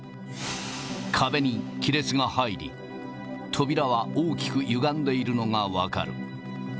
壁に亀裂が入り、扉は大きくゆがんでいるのが分かる。